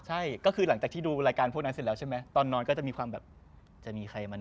ใช่ก็คือหลังจากที่ดูรายการพวกนั้นเสร็จแล้วใช่ไหม